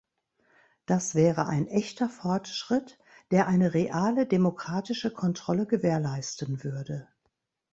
Das wäre ein echter Fortschritt, der eine reale demokratische Kontrolle gewährleisten würde.